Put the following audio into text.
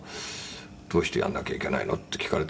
「“どうしてやらなきいけないの？”って聞かれて。